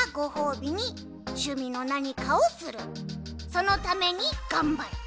そのためにがんばる。